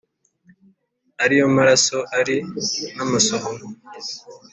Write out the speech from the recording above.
Ari yo maraso ari n’amasohoro